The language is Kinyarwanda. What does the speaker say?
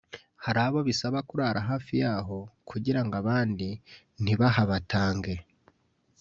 hari abo bisaba kurara hafi yaho kugira ngo abandi ntibahabatange